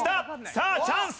さあチャンス！